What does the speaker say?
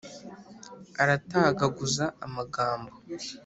aratagaguza amagambo.